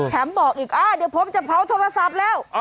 บอกอีกเดี๋ยวผมจะเผาโทรศัพท์แล้ว